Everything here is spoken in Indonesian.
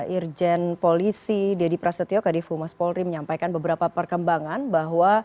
irjen polisi dedy prasetyo kadif humas polri menyampaikan beberapa perkembangan bahwa